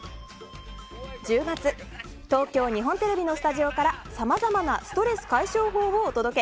１０月、東京・日本テレビのスタジオからさまざまなストレス解消法をお届け。